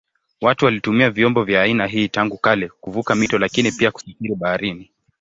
Watu walitumia vyombo vya aina hii tangu kale kuvuka mito lakini pia kusafiri baharini.